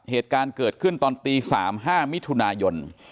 เหตุการณ์เกิดขึ้นตอนตี๓๕มิถุนายน